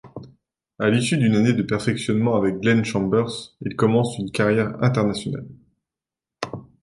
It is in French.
À l’issue d’une année de perfectionnement avec Glenn Chambers, il commence une carrière internationale.